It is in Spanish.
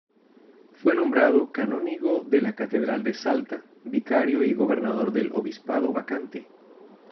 Fue nombrado canónigo de la Catedral de Salta, vicario y gobernador del obispado vacante.